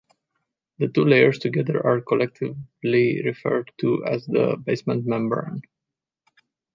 The two layers together are collectively referred to as the basement membrane.